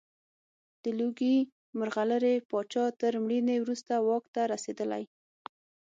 د لوګي مرغلرې پاچا تر مړینې وروسته واک ته رسېدلی.